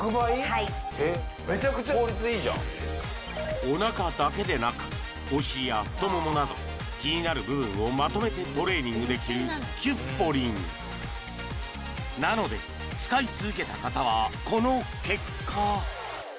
はいおなかだけでなくおしりや太ももなど気になる部分をまとめてトレーニングできるキュッポリンなので使い続けた方はこの結果！